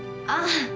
ああ。